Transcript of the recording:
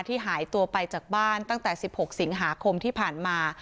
หายตัวไปจากบ้านตั้งแต่๑๖สิงหาคมที่ผ่านมา